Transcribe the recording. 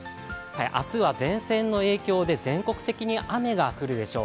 明日は前線の影響で全国的に雨が降るでしょう。